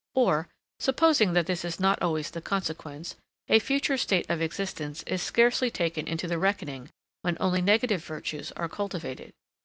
Or, supposing that this is not always the consequence, a future state of existence is scarcely taken into the reckoning when only negative virtues are cultivated.